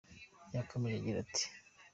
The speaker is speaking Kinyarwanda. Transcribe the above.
Yakomeje agira ati.